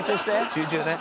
集中ね。